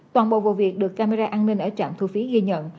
toàn bộ vụ việc được camera an ninh ở trạm thu phí ghi nhận